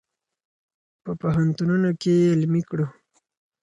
په پوهنتونونو کې یې علمي کړو.